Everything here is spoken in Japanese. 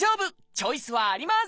チョイスはあります！